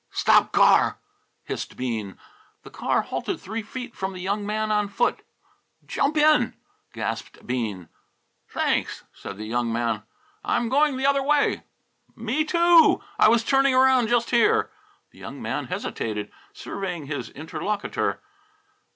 "Stop car!" hissed Bean. The car halted three feet from the young man on foot. "Jump in!" gasped Bean. "Thanks," said the young man; "I'm going the other way." "Me, too! I was turning around just here." The young man hesitated, surveying his interlocutor.